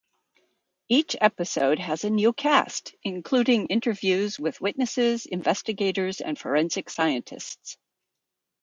Each episode has a new 'cast', including interviews with witnesses, investigators, and forensic scientists.